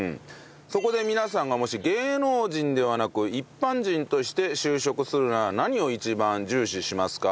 そこで皆さんがもし芸能人ではなく一般人として就職するなら何を一番重視しますか？